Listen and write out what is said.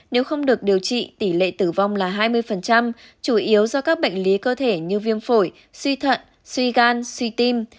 nếu không được điều trị tỷ lệ tử vong là hai mươi chủ yếu do các bệnh lý cơ thể như viêm phổi suy thận suy gan suy tim